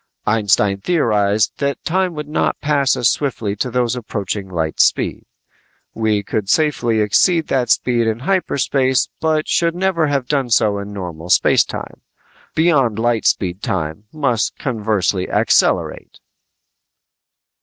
Einstein theorized that time would not pass as swiftly to those approaching light speed. We could safely exceed that speed in hyperspace but should never have done so in normal space time. Beyond light speed time must conversely accelerate!